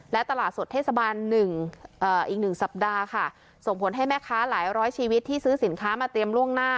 และตลาดสดเทศบาล๑อีก๑สัปดาห์ค่ะส่งผลให้แม่ค้าหลายร้อยชีวิตที่ซื้อสินค้ามาเตรียมล่วงหน้า